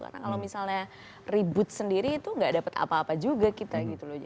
karena kalau misalnya ribut sendiri itu gak dapat apa apa juga kita